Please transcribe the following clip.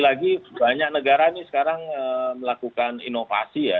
lagi banyak negara ini sekarang melakukan inovasi ya